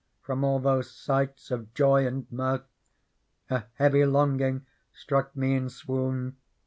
From all those sights of joy and mirth : A heavy longing struqk me in swoon.